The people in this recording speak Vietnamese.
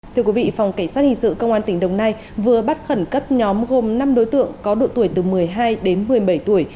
thưa quý vị phòng cảnh sát hình sự công an tỉnh đồng nai vừa bắt khẩn cấp nhóm gồm năm đối tượng có độ tuổi từ một mươi hai đến một mươi bảy tuổi